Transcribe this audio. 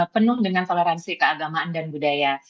penuh dengan toleransi keagamaan dan budaya